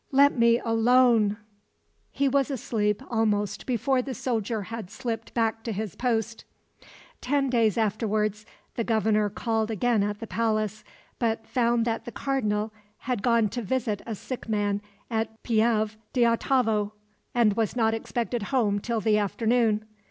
"Let me alone " He was asleep almost before the soldier had slipped back to his post. Ten days afterwards the Governor called again at the palace, but found that the Cardinal had gone to visit a sick man at Pieve d'Ottavo, and was not expected home till the afternoon.